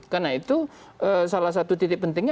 karena itu salah satu titik pentingnya